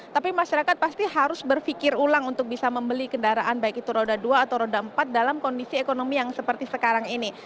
tapi masyarakat pasti harus berpikir ulang untuk bisa membeli kendaraan baik itu roda dua atau roda empat dalam kondisi ekonomi yang seperti sekarang ini